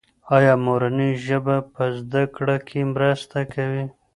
ایا مورنۍ ژبه په زده کړه کې مرسته کوي؟